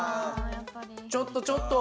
ちょっとちょっと。